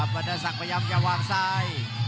บรรดาศักดิ์พยายามจะวางซ้าย